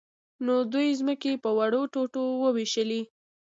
نو دوی ځمکې په وړو ټوټو وویشلې.